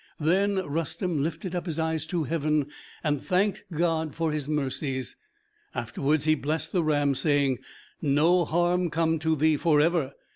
Then Rustem lifted up his eyes to heaven and thanked God for his mercies; afterwards he blessed the ram, saying, "No harm come to thee forever!